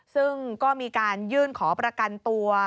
ซึ่งก็มีการยื่นขอประกันตัว